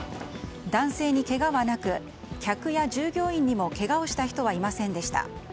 男性にけがはなく客や従業員にもけがをした人はいませんでした。